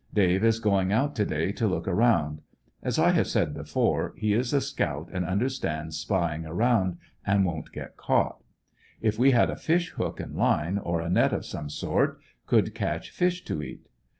Dave is going out to day to look around. As I have said before, he is a scout and understands spying around, and won't get canght. If we had a fish hook and line or a net of some sort could catch fish to eat.